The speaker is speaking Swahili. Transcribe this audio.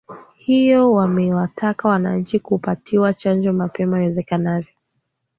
hiyo wamewataka wananchi kupatiwa chanjo mapema iwezekanavyo